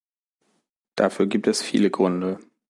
Dafür gibt es viele Gründe.